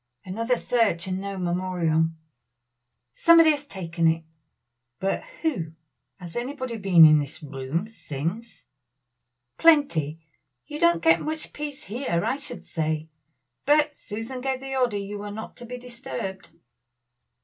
Another search and no memorial. "Somebody has taken it." "But who? has anybody been in this room since?" "Plenty. You don't get much peace here, I should say; but Susan gave the order you were not to be disturbed."